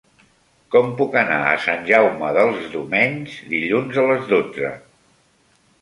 Com puc anar a Sant Jaume dels Domenys dilluns a les dotze?